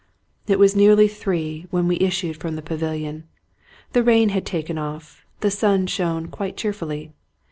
It was nearly three when we issued from the pavilion. The rain had taken off ; the sun shone quite cheerfully.